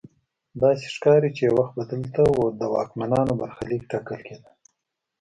داسې ښکاري چې یو وخت به دلته د واکمنانو برخلیک ټاکل کیده.